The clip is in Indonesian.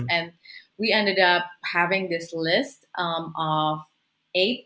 dan kami akhirnya memiliki listanya